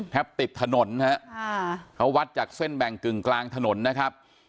ติดถนนฮะเขาวัดจากเส้นแบ่งกึ่งกลางถนนนะครับ